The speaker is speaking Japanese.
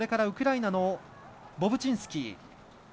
ウクライナのボブチンスキー。